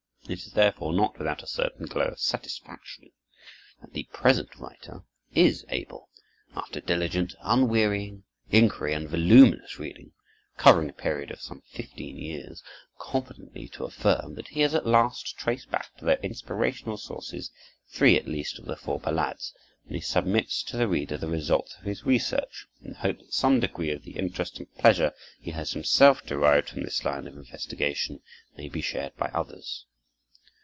It is therefore not without a certain glow of satisfaction that the present writer is able, after diligent, unwearying inquiry and voluminous reading, covering a period of some fifteen years, confidently to affirm that he has at last traced back to their inspirational sources three at least of the four ballades; and he submits to the reader the results of his research, in the hope that some degree of the interest and pleasure he has himself derived from this line of investigation may be shared by others.